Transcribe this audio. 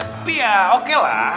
tapi ya okelah